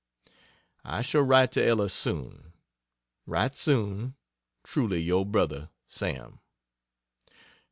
I shall write to Ella soon. Write soon Truly your Brother SAM.